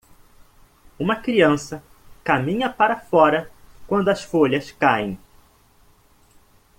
Uma criança caminha para fora quando as folhas caem.